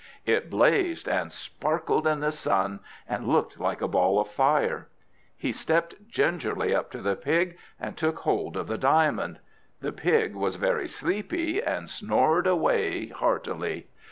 It blazed and sparkled in the sun and looked like a ball of fire. He stepped gingerly up to the pig, and took hold of the diamond; the pig was very sleepy and snored away heartily.